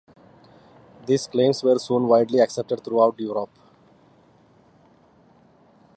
These claims were soon widely accepted throughout Europe.